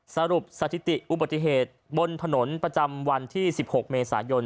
สรุปสถิติอุบัติเหตุบนถนนประจำวันที่๑๖เมษายน